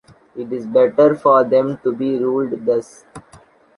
It is better for them to be ruled thus.